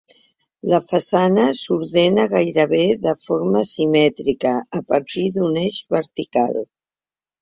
La façana s'ordena gairebé de forma simètrica a partir d'un eix vertical.